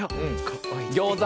ギョーザ。